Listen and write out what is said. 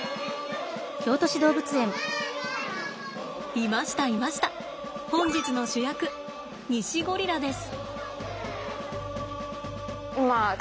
いましたいました本日の主役ニシゴリラです。